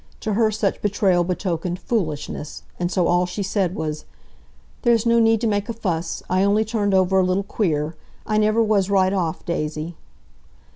To her such betrayal betokened "foolishness," and so all she said was, "There's no need to make a fuss! I only turned over a little queer. I never was right off, Daisy."